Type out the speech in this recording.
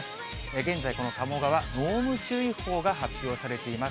現在、この鴨川、濃霧注意報が発表されています。